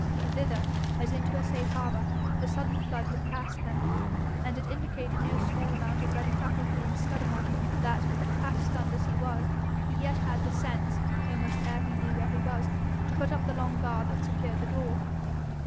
Thither, as into a safe harbour, the sudden flood had cast them; and it indicated no small amount of ready faculty in Scudamore that, half stunned as he was, he yet had the sense, almost ere he knew where he was, to put up the long bar that secured the door.